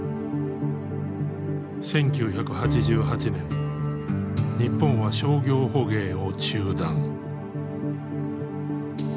１９８８年日本は商業捕鯨を中断。